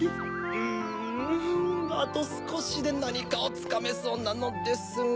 うんあとすこしでなにかをつかめそうなのですが。